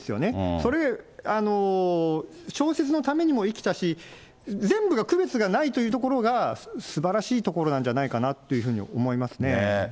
それ、小説のためにも生きたし、全部が区別がないというところが、すばらしいところなんじゃないかなというふうに思いますね。